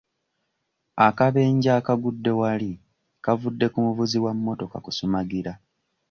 Akabenje akagudde wali kavudde ku muvuzi wa mmotoka kusumagira.